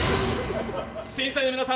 審査員の皆さん